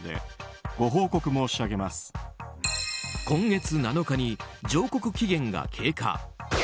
今月７日に上告期限が経過。